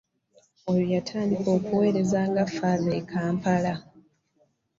Ono yatandika okuweereza nga Faaza e Kampala.